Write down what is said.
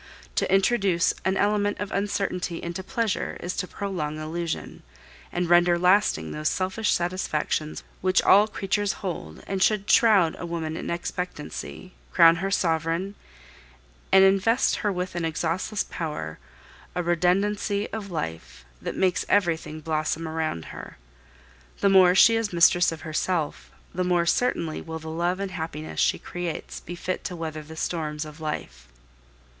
To introduce an element of uncertainty into pleasure is to prolong illusion, and render lasting those selfish satisfactions which all creatures hold, and should shroud a woman in expectancy, crown her sovereign, and invest her with an exhaustless power, a redundancy of life, that makes everything blossom around her. The more she is mistress of herself, the more certainly will the love and happiness she creates be fit to weather the storms of life.